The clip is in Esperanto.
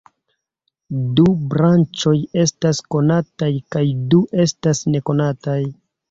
Du branĉoj estas konataj kaj du estas nekonataj.